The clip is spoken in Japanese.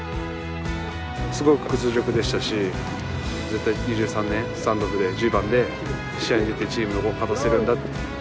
すごく屈辱でしたし絶対２３年スタンドオフで１０番で試合に出てチームを勝たせるんだって。